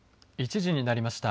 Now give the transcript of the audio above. １時になりました。